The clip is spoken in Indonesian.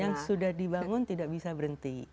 yang sudah dibangun tidak bisa berhenti